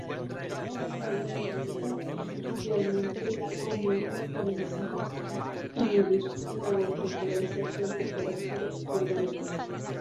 Se utiliza industrialmente como un estabilizador para inhibir la auto polarización de peróxidos orgánicos.